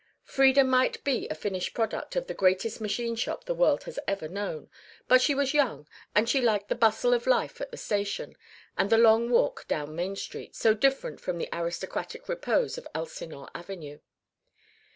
Frieda might be a finished product of the greatest machine shop the world has ever known, but she was young and she liked the bustle of life at the station, and the long walk down Main Street, so different from the aristocratic repose of Elsinore Avenue.